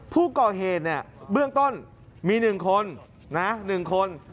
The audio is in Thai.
ผู้ก่อเหตุเนี่ยเบื้องต้นมี๑คน๑คน